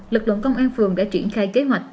lực lượng công an phường đã triển khai kế hoạch